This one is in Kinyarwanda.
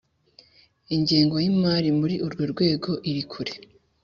Ingengo y ‘imari muri urwo rwego irikure.